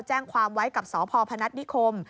แจ้งความไว้กับสพพนัฐนิคม